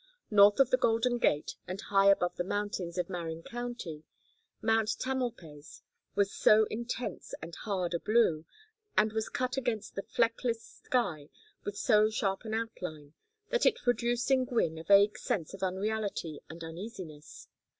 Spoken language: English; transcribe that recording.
North of the Golden Gate and high above the mountains of Marin County, Mount Tamalpais was so intense and hard a blue, and was cut against the fleckless sky with so sharp an outline, that it produced in Gwynne a vague sense of unreality and uneasiness.